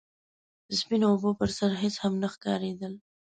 د سپينو اوبو پر سر هيڅ هم نه ښکارېدل.